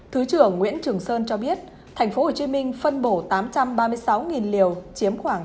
thứ trưởng nguyễn trường sơn cho biết tp hcm phân bổ tám trăm ba mươi sáu liều chiếm khoảng tám mươi